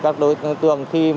các đối tượng khi